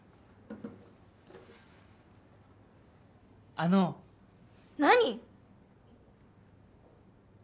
あの何！？